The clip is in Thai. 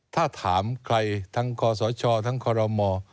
ถ้าถามใครทั้งคศทั้งคอรมอ